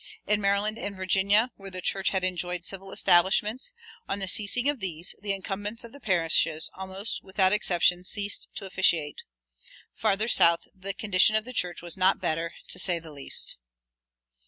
In Maryland and Virginia, where the church had enjoyed civil establishments, on the ceasing of these, the incumbents of the parishes, almost without exception, ceased to officiate. Farther south the condition of the church was not better, to say the least."